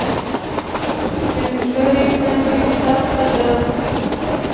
سپین ږیرو ته ډېره سخته ده.